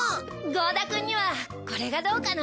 剛田くんにはこれがどうかな。